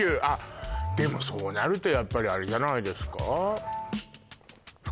あっでもそうなるとやっぱりあれじゃないですか？